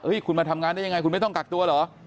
คุณมาทำงานได้ยังไงคุณไม่ต้องกักตัวเหรอ